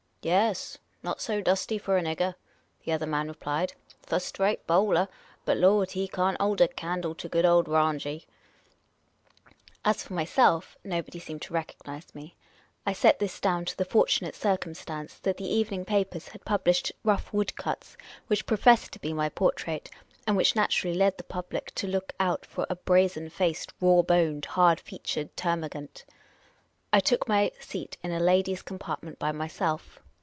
" Yuss ; not so dusty for a nigger," the other man replied. " Fust rite bowler ; but, Lord, he can't 'old a candle to good old Ranji." As for myself, nobody seemed to recognise me. I set this fact down to the fortunate circumstance that the evening papers had published rough wood cuts which professed to be my portrait, and which naturally led the public to look out for a brazen faced, raw boned, hard featured termagant. I took my seat in a ladies' compartment by myself.